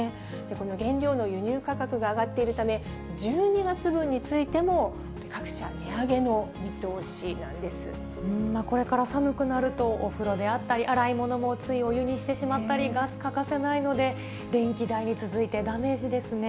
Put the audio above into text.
この原料の輸入価格が上がっているため、１２月分についても、これから寒くなると、お風呂であったり、洗い物もついお湯にしてしまったり、ガス欠かせないので、電気代に続いてダメージですね。